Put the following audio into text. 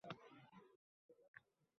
ongini o‘stiruvchi o‘yinlar o‘ynaydilar.